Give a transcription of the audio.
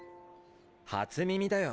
初耳だよ